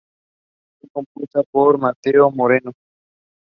It was released on the Amabile Strings label.